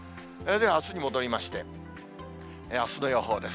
ではあすに戻りまして、あすの予報です。